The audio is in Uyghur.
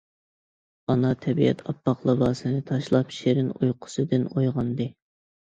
ئانا تەبىئەت ئاپئاق لىباسىنى تاشلاپ، شېرىن ئۇيقۇسىدىن ئويغاندى.